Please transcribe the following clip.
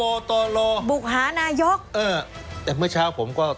เอ่อตกลงรับจริงไหมที่ท่านบอกว่า